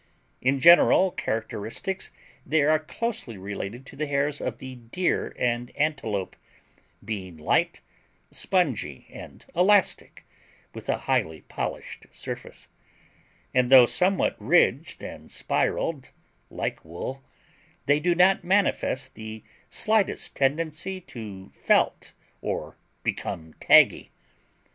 In general characteristics they are closely related to the hairs of the deer and antelope, being light, spongy, and elastic, with a highly polished surface, and though somewhat ridged and spiraled, like wool, they do not manifest the slightest tendency to felt or become taggy.